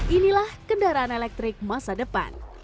inilah kendaraan elektrik masa depan